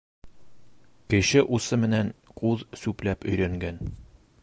Кеше усы менән ҡуҙ сүпләп өйрәнгән.